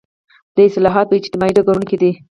دا اصلاحات په اجتماعي ډګرونو کې دي.